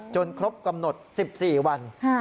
ครบกำหนด๑๔วัน